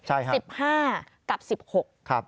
ใช่ครับ๑๕กับ๑๖